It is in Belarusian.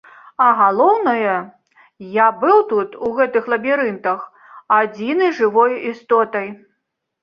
А галоўнае, я быў тут, у гэтых лабірынтах, адзінай жывой істотай.